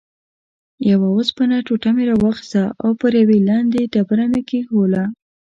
یوه اوسپنه ټوټه مې راواخیسته او پر یوې لندې ډبره مې کېښووله.